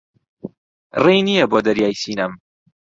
ڕێی نییە بۆ دەریای سینەم